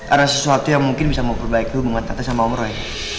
ada sesuatu yang mungkin bisa memperbaiki hubungan tata sama om roy